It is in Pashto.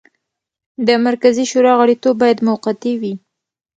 د مرکزي شورا غړیتوب باید موقتي وي.